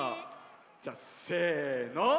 じゃあせの。